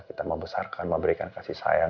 kita membesarkan memberikan kasih sayang